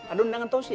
ada undangan tausi ya